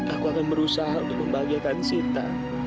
aku akan berusaha untuk membagiakan sita